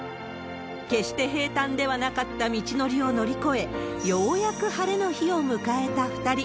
決して平たんではなかった道のりを乗り越え、ようやく晴れの日を迎えた２人。